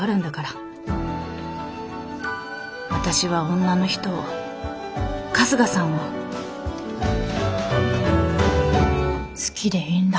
私は女の人を春日さんを好きでいいんだ。